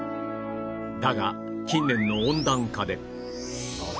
だが近年の温暖化で